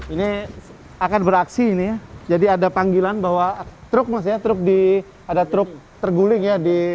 ini akan beraksi ini jadi ada panggilan bahwa truk masnya truk di ada truk terguling ya di